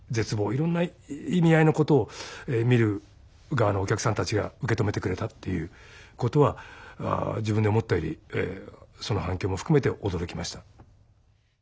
いろんな意味合いのことを見る側のお客さんたちが受け止めてくれたっていうことは自分で思ったよりその反響も含めて驚きました。